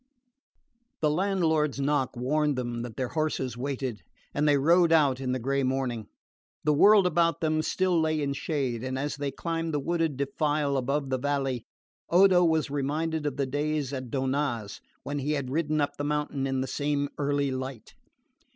The landlord's knock warned them that their horses waited, and they rode out in the grey morning. The world about them still lay in shade, and as they climbed the wooded defile above the valley Odo was reminded of the days at Donnaz when he had ridden up the mountain in the same early light.